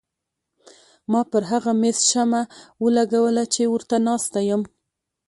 ما پر هغه مېز شمه ولګوله چې ورته ناسته یم.